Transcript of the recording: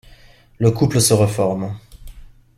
Le couple se reforme.